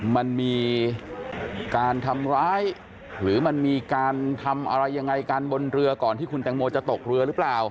มันมีการทำร้ายหรือมันมีการทำอะไรยังไงกันบนเรือก่อนที่คุณแตงโมจะตกเรือหรือเปล่า